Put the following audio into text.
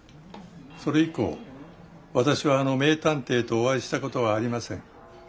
それ以降私はあの名探偵とお会いしたことはありません。